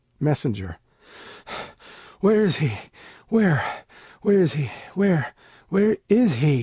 ] Messenger Where is he? Where? Where is he? Where? Where is he?